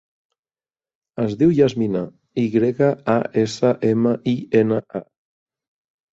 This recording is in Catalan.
Es diu Yasmina: i grega, a, essa, ema, i, ena, a.